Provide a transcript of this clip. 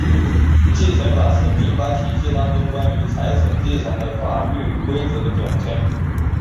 继承法是民法体系当中关于财产继承的法律规则的总称。